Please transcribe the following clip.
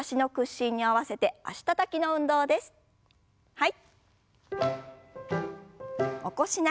はい。